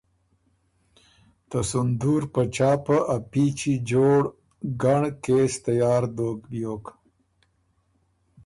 ته سُندُور په چاپه ا پیچی جوړ ګنړ کېس تیار دوک بیوک